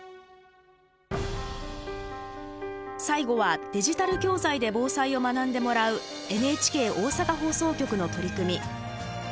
最後はデジタル教材で防災を学んでもらうＮＨＫ大阪放送局の取り組み。